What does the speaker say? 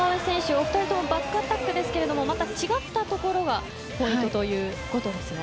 お二人ともバックアタックですがまた違ったところがポイントということですね。